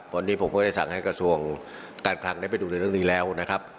วันนี้ผมก็ได้สั่งให้กระทรวงการคลังได้ไปดูในเรื่องนี้แล้วนะครับ